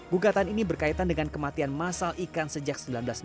gugatan ini berkaitan dengan kematian masal ikan sejak seribu sembilan ratus sembilan puluh